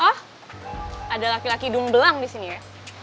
oh ada laki laki dungbelang disini ya